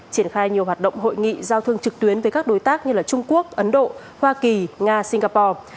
triển khai nhiều hoạt động hội nghị giao thương trực tuyến với các đối tác như trung quốc ấn độ hoa kỳ nga singapore